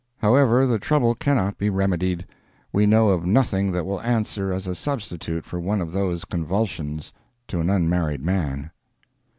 However, the trouble cannot be remedied; we know of nothing that will answer as a substitute for one of those convulsions—to an unmarried man.